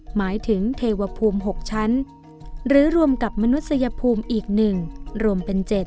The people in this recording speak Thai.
หมายถึงเทวภูมิ๖ชั้นหรือรวมกับมนุษยภูมิอีก๑รวมเป็น๗